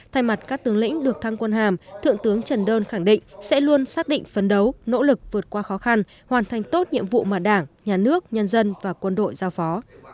thay mặt các tướng lĩnh được thăng quân hàm thượng tướng trần đơn khẳng định sẽ luôn xác định phấn đấu nỗ lực vượt qua khó khăn hoàn thành tốt nhiệm vụ mà đảng nhà nước nhân dân và quân đội giao phó